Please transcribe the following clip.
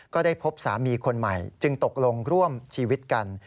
ก็ได้พบสามีคนใหม่จึงตกลงร่วมชีวิตกัน